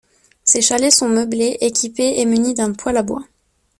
Ces chalets sont meublés, équipés et munis d'un poêle à bois.